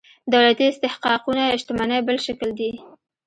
دولتي استحقاقونه شتمنۍ بل شکل دي.